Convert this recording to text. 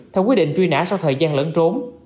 theo quyết định truy nã sau thời gian lẫn trốn